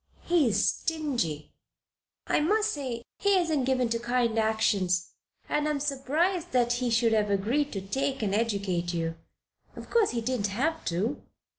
He is stingy " "I must say it. He isn't given to kind actions, and I am surprised that he should have agreed to take and educate you. Of course, he didn't have to."